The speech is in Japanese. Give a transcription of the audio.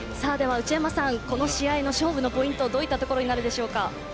この試合の勝負のポイント、どういったところになるでしょうか。